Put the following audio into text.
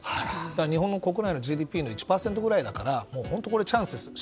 日本の国内のＧＤＰの１％くらいだから本当にチャンスですよ。